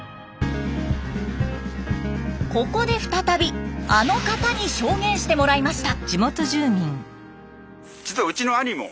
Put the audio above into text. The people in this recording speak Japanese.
ここで再びあの方に証言してもらいました。